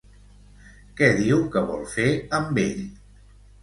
Què diu que vol fer amb ell?